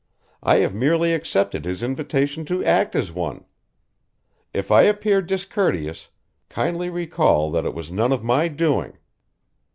I have merely accepted his invitation to act as one. If I appear discourteous, kindly recall that it was none of my doing."